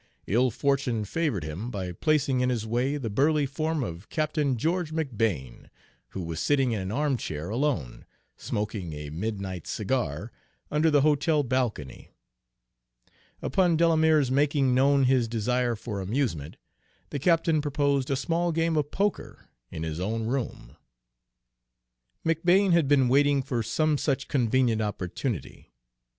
Ill fortune favored him by placing in his way the burly form of Captain George McBane, who was sitting in an armchair alone, smoking a midnight cigar, under the hotel balcony. Upon Delamere's making known his desire for amusement, the captain proposed a small game of poker in his own room. McBane had been waiting for some such convenient opportunity.